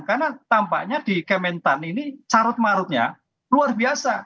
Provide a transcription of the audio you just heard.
karena tampaknya di kementan ini carut marutnya luar biasa